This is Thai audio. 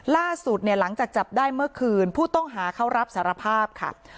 ล่าสุดเนี่ยหลังจากจับได้เมื่อคืนผู้ต้องหาเขารับสารภาพค่ะ